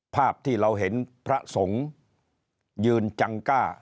ภาพที่เราเห็นพระสงฆ์ยืนจังก้า